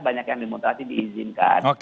banyak yang demokrasi diizinkan